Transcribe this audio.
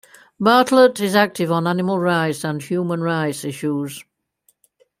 Bartlett is active on animal rights and human rights issues.